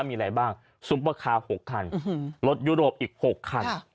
มีอะไรบ้างซุปเปอร์คาร์หกคันอื้อหือรถยุโรปอีกหกคันค่ะ